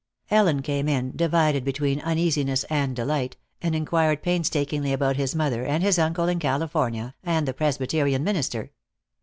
Ellen came in, divided between uneasiness and delight, and inquired painstakingly about his mother, and his uncle in California, and the Presbyterian minister.